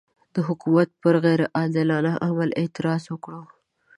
د حکومت پر غیر عادلانه عمل اعتراض وکړو.